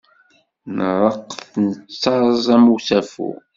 Nreqq nettaẓ am usafu.